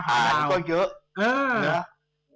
หานก็เยอะเนี่ย